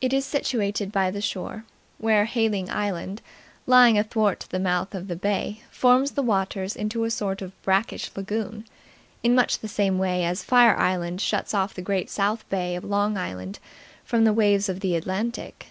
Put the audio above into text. It is situated by the shore, where Hayling Island, lying athwart the mouth of the bay, forms the waters into a sort of brackish lagoon, in much the same way as Fire Island shuts off the Great South Bay of Long Island from the waves of the Atlantic.